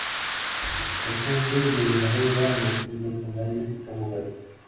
Ausente de Madeira, las Islas Canarias y Cabo Verde.